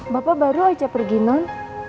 bapak baru aja pergi non